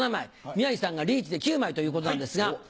宮治さんがリーチで９枚ということなんですが。